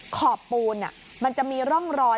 ขอบปูนมันจะมีร่องรอย